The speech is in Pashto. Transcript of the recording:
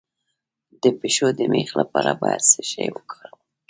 د پښو د میخ لپاره باید څه شی وکاروم؟